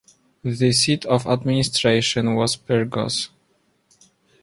The seat of administration was Pyrgos.